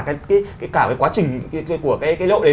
cả cái quá trình của cái lễ hội đấy